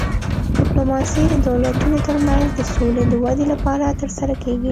ډیپلوماسي د دولتونو ترمنځ د سولې د ودې لپاره ترسره کیږي